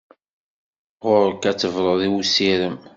Ɣur-k ad tebruḍ i usirem!